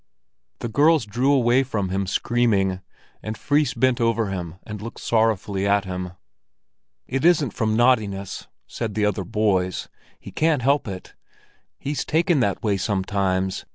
The girls drew away from him, screaming, and Fris bent over him and looked sorrowfully at him. "It isn't from naughtiness," said the other boys. "He can't help it; he's taken that way sometimes.